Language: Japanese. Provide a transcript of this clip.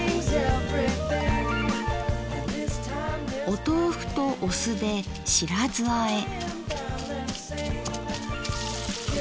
お豆腐とお酢で「白酢あえ」。